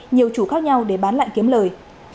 nhiều chủ khác nhau để bán lại kiếm lời